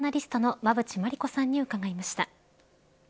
ここでは経済アナリストの馬渕磨理子さんに伺いました。